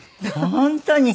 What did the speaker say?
本当に。